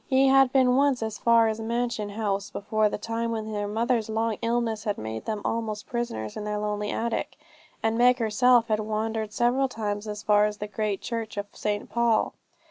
He had been once as far as the Mansion House, before the time when their mother's long illness had made them almost prisoners in their lonely attic; and Meg herself had wandered several times as far as the great church of St Paul.